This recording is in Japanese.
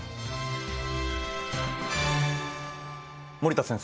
森田先生